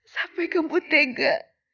sampai kamu tega